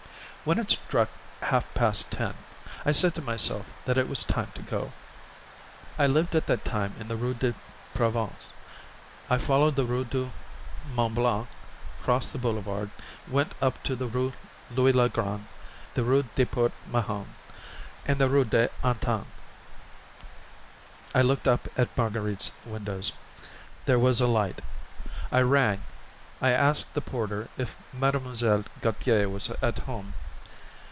When it struck half past ten, I said to myself that it was time to go. I lived at that time in the Rue de Provence; I followed the Rue du Mont Blanc, crossed the Boulevard, went up the Rue Louis le Grand, the Rue de Port Mahon, and the Rue d'Antin. I looked up at Marguerite's windows. There was a light. I rang. I asked the porter if Mlle. Gautier was at home.